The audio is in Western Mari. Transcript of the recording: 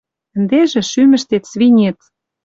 Ӹндежӹ шӱмӹштет свинец...